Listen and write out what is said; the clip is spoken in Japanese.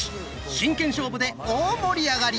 真剣勝負で大盛り上がり！